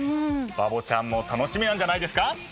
バボちゃんも楽しみなんじゃないですか？